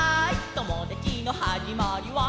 ともだちのはじまりは」